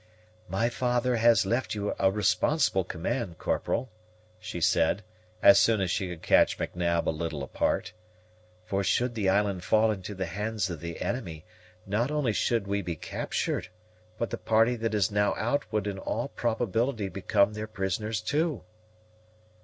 "My father has left you a responsible command, Corporal," she said, as soon as she could catch M'Nab a little apart; "for should the island fall into the hands of the enemy, not only should we be captured, but the party that is now out would in all probability become their prisoners also."